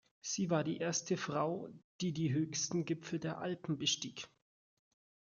Sie war die erste Frau, die die höchsten Gipfel der Alpen bestieg.